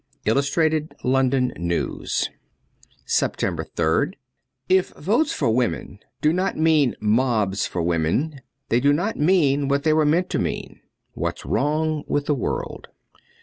' Illustrated London News.* »7S SEPTEMBER 3rd IF votes for women do not mean mobs for women they do not mean what they were meant to mean. '^ What's Wrong with the World.'